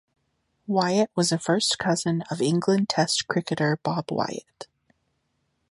Wyatt was a first cousin of England Test cricketer Bob Wyatt.